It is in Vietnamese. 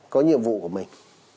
có nhiệm vụ của mình